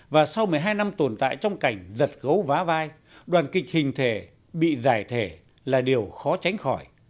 và sau một mươi hai năm tồn tại trong cảnh giật gấu vá vai đoàn kịch hình thể bị giải thể là điều khó tránh khỏi